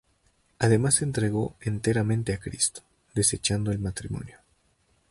Además se entregó enteramente a Cristo, desechando el matrimonio.